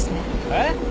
えっ？